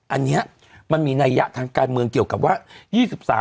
อันนี้มันมีนัยยะทางการเมืองเกี่ยวกับว่า